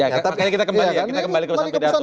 kita kembali ke pesan pidato